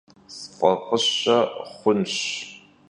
Sf'ef'ışe xhunş.